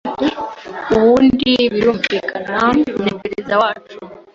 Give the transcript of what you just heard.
Uwundi birumvikana ni Perezida wacu